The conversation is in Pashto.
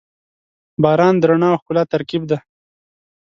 • باران د رڼا او ښکلا ترکیب دی.